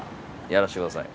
やらせてください。